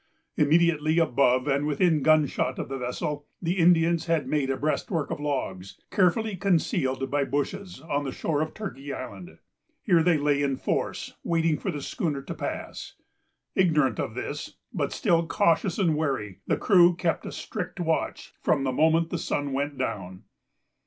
Immediately above, and within gunshot of the vessel, the Indians had made a breastwork of logs, carefully concealed by bushes, on the shore of Turkey Island. Here they lay in force, waiting for the schooner to pass. Ignorant of this, but still cautious and wary, the crew kept a strict watch from the moment the sun went down.